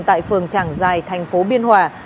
tại phường tràng giài tp biên hòa